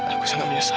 aku sangat menyesal